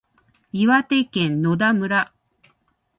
岩手県野田村